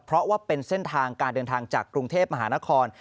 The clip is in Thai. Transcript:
เพราะว่าเป็นเส้นทางการเดินทางจากกรุงเทพมหานคร